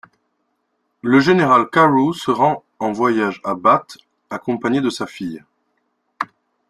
Le général Carew se rend en voyage à Bath, accompagné de sa fille.